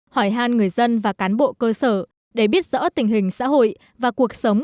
hỏi hàn người dân và cán bộ cơ sở để biết rõ tình hình xã hội và cuộc sống